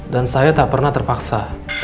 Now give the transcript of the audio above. dan saya tak pernah terpaksa